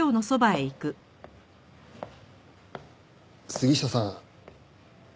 杉下さん。